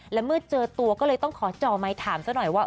และเมื่อเจอตัวก็เลยต้องขอจ่อไม้ถามซะหน่อยว่า